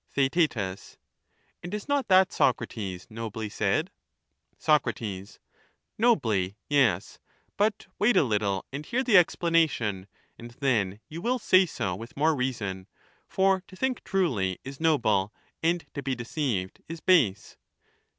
Theaet. And is not that, Socrates, nobly said ? Sac. Nobly ! yes ; but wait a little and hear the explana tion, and then you will say so with more reason; for to think truly is noble and to be deceived is base.